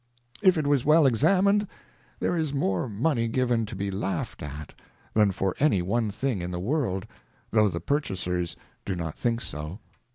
If it was well examined, there is more Money given to be laughed at, than for any one thing in the World, though the Purchasers do not think so.